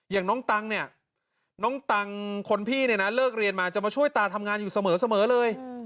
อย่างน้องตังเนี่ยน้องตังคนพี่เนี่ยนะเลิกเรียนมาจะมาช่วยตาทำงานอยู่เสมอเลย